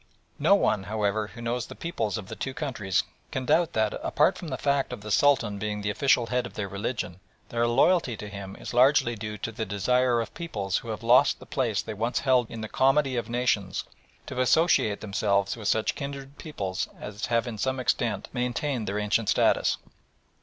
No one, however, who knows the peoples of the two countries can doubt that, apart from the fact of the Sultan being the official head of their religion, their loyalty to him is largely due to the desire of peoples who have lost the place they once held in the comity of nations to associate themselves with such kindred peoples as have in some extent maintained their ancient status.